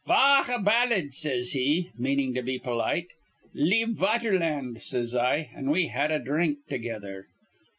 'Faugh a ballagh,' says he, meanin' to be polite. 'Lieb vaterland,' says I. An' we had a dhrink together.